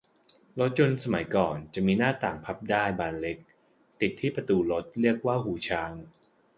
รถยนต์สมัยก่อนจะมีหน้าต่างพับได้บานเล็ก ติดที่ประตูรถ เรียกว่าหูช้าง